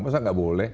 masa nggak boleh